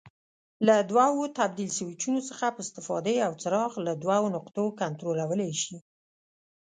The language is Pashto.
له دوو تبدیل سویچونو څخه په استفاده یو څراغ له دوو نقطو کنټرولولای شي.